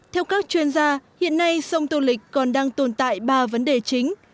theo các chuyên gia hiện nay sông tô lịch còn đang tồn tại ba vấn đề chính